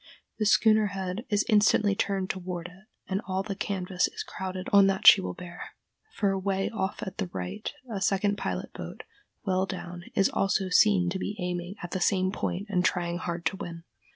The schooner's head is instantly turned toward it, and all the canvas is crowded on that she will bear, for away off at the right a second pilot boat, well down, is also seen to be aiming at the same point and trying hard to win.